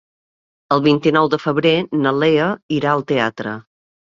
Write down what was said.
El vint-i-nou de febrer na Lea irà al teatre.